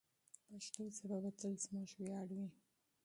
پښتو ژبه به تل زموږ ویاړ وي.